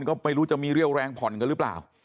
ก็ไม่รู้จะมีเรี่ยวแรงผ่อนกันหรือเปล่า